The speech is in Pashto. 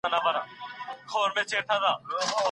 موږ به د مبالغې څخه ډکي خبري ونه منو.